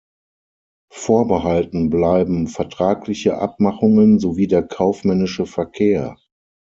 Vorbehalten bleiben vertragliche Abmachungen sowie der kaufmännische Verkehr.